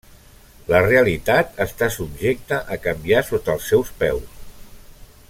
La realitat està subjecta a canviar sota els seus peus.